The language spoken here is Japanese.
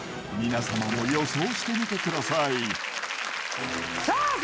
皆様も予想してみてくださいさあ